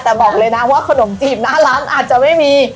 แต่บอกเลยนะว่าขนมจีบหน้าร้านอาจจะไม่มี